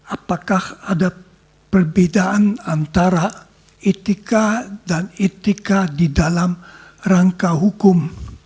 apakah ada perbedaan antara etika dan etika di dalam rangka hukum